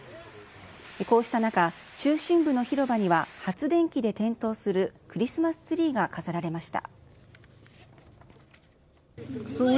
こうした中、中心部の広場には発電機で点灯するクリスマスツリーが飾られました。